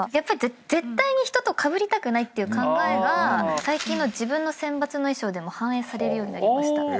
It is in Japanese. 絶対に人とかぶりたくないっていう考えが最近の自分の選抜の衣装でも反映されるようになりました。